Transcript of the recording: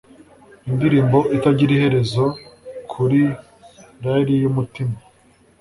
nindirimbo itagira iherezo kuri lyre yumutima